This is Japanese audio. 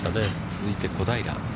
続いて小平。